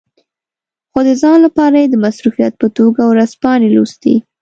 خو د ځان لپاره یې د مصروفیت په توګه ورځپاڼې لوستې.